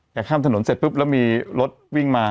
ข้ามถนนเสร็จปุ๊บแล้วมีรถวิ่งมา